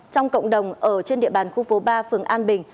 trong cộng đồng ở trên địa bàn khu phố ba phường an bình